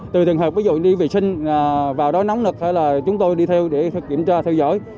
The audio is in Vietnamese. từ thường hợp ví dụ đi vệ sinh vào đó nóng lực hay là chúng tôi đi theo để kiểm tra theo dõi